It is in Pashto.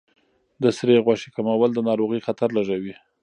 د سرې غوښې کمول د ناروغۍ خطر لږوي.